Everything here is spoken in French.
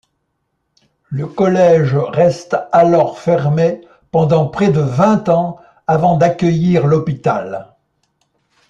Le collège reste alors fermé pendant près de vingt ans avant d'accueillir l'hôpital.